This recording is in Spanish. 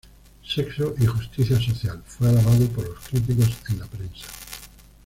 S"exo y justicia social" fue alabado por los críticos en la prensa.